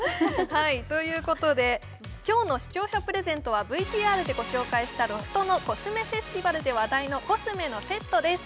はいということで今日の視聴者プレゼントはＶＴＲでご紹介したロフトのコスメフェスティバルで話題のコスメのセットです